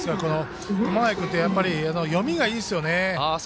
熊谷君はやっぱり読みがいいですよね。